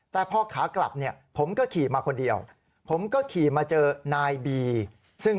แต่พอขากลับเนี่ยผมก็ขี่มาคนเดียวผมก็ขี่มาเจอนายบีซึ่ง